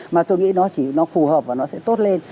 mà tôi nghĩ nó chỉ nó phù hợp và nó sẽ tốt lên